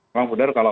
memang benar kalau